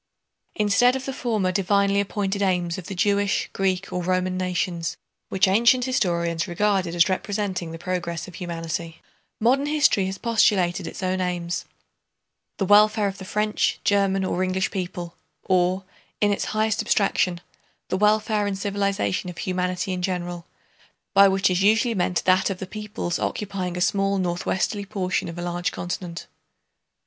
Instead of the former divinely appointed aims of the Jewish, Greek, or Roman nations, which ancient historians regarded as representing the progress of humanity, modern history has postulated its own aims—the welfare of the French, German, or English people, or, in its highest abstraction, the welfare and civilization of humanity in general, by which is usually meant that of the peoples occupying a small northwesterly portion of a large continent.